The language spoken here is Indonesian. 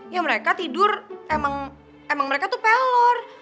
ya mereka tidur emang mereka tuh pelor